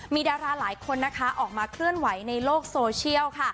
มีดาราหลายคนนะคะออกมาเคลื่อนไหวในโลกโซเชียลค่ะ